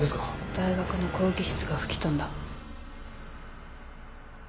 大学の講義室が吹き飛んだ。